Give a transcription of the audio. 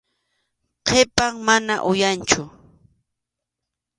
Qhipan, mana uyanchu.